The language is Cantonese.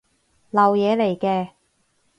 流嘢嚟嘅